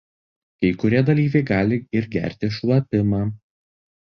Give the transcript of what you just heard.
Kai kurie dalyviai gali ir gerti šlapimą.